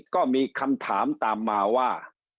ก็มีคำถามตามมาว่า